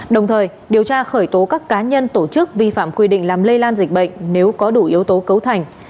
đồng thời điều tra khởi tố các cá nhân tổ chức vi phạm quy định làm lây lan dịch bệnh nếu có đủ yếu tố cấu thành